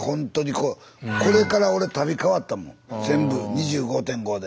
これから俺足袋かわったもん全部２５．５で。